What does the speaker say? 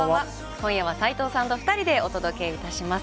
今夜は斎藤さんと２人でお届けいたします。